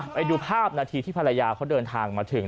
ไปดูภาพนาทีที่ภรรยาเขาเดินทางมาถึง